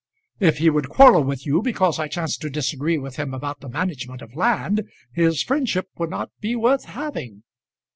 "If he would quarrel with you because I chanced to disagree with him about the management of land, his friendship would not be worth having."